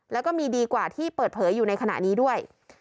แล้วก็มีดีกว่าที่เปิดเผยอยู่ในขณะนี้ด้วย